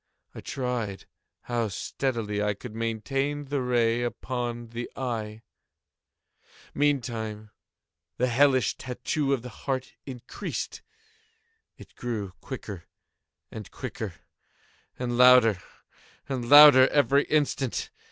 I tried how steadily I could maintain the ray upon the eve. Meantime the hellish tattoo of the heart increased. It grew quicker and quicker, and louder and louder every instant.